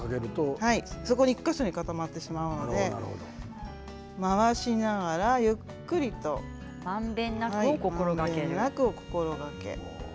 １か所にかかってしまいますので回しながらゆっくりとまんべんなくを心がけて。